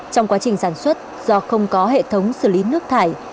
trong quá trình sản xuất do không có hệ thống xử lý nước thải